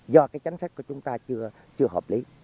do cái chính sách của chúng ta chưa hợp lý